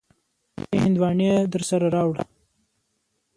دوې هندواڼی درسره راوړه.